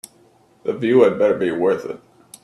The view had better be worth it.